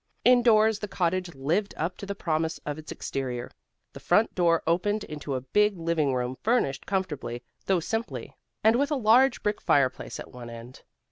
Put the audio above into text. Indoors the cottage lived up to the promise of its exterior. The front door opened into a big living room furnished comfortably, though simply, and with a large brick fireplace at one end.